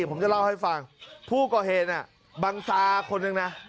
ผมจะเล่าให้ฟังผู้ก่อเหตุบังซาคนหนึ่งนะ